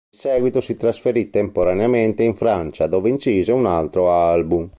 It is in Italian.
In seguito si trasferì temporaneamente in Francia dove incise un altro album.